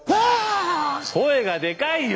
声がでかいよ！